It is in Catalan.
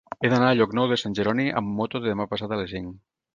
He d'anar a Llocnou de Sant Jeroni amb moto demà passat a les cinc.